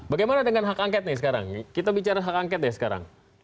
bagaimana dengan hak angket nih sekarang kita bicara hak angket ya sekarang